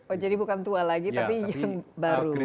oh jadi bukan tua lagi tapi yang baru